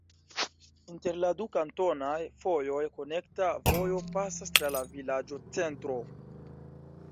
Inter la du kantonaj fojoj konekta vojo pasas tra la vilaĝocentro.